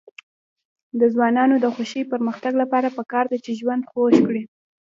د ځوانانو د شخصي پرمختګ لپاره پکار ده چې ژوند خوږ کړي.